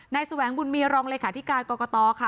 ในแสวงบุญมีรองเลยค่ะที่การกรกตค่ะ